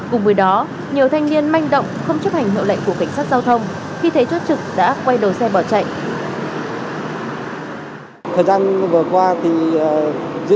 cùng với đó nhiều thanh niên manh động không chấp hành hiệu lệnh của cảnh sát giao thông khi thấy chốt trực đã quay đầu xe bỏ chạy